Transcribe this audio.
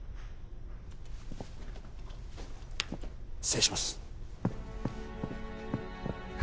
失礼します。